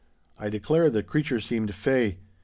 I declare the creature seemed 'fey.